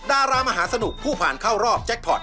ดารามหาสนุกผู้ผ่านเข้ารอบแจ็คพอร์ต